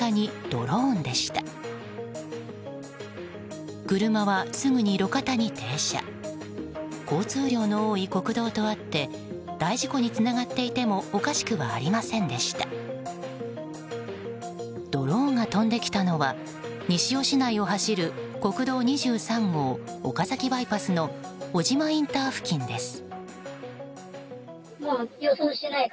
ドローンが飛んできたのは西尾市内を走る国道２３号岡崎バイパスの小島インター付近です。